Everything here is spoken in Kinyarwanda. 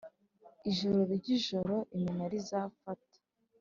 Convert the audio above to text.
ijoro ryijoro iminara izafata